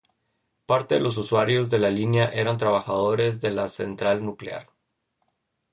Parte de los usuarios de la línea eran trabajadores de la central nuclear.